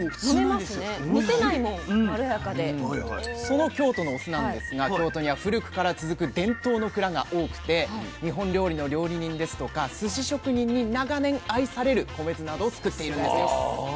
その京都のお酢なんですが京都には古くから続く伝統の蔵が多くて日本料理の料理人ですとかすし職人に長年愛される米酢などをつくっているんですよ。